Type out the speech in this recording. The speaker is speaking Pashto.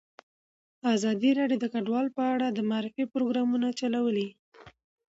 ازادي راډیو د کډوال په اړه د معارفې پروګرامونه چلولي.